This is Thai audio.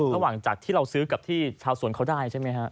ระหว่างจากที่เราซื้อกับที่ชาวสวนเขาได้ใช่ไหมฮะ